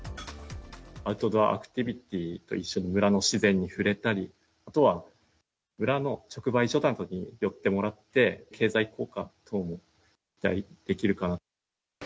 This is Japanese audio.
アウトドアアクティビティーと一緒に村の自然に触れたり、あとは村の直売所などに寄ってもらって、経済効果等も期待できるかなと。